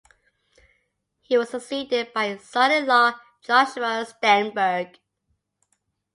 He was succeeded by his son-in-law Joshua Steinberg.